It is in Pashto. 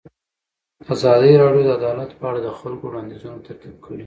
ازادي راډیو د عدالت په اړه د خلکو وړاندیزونه ترتیب کړي.